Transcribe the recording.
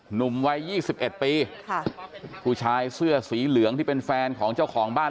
หนุ่มวัยยี่สิบเอ็ดปีค่ะผู้ชายเสื้อสีเหลืองที่เป็นแฟนของเจ้าของบ้าน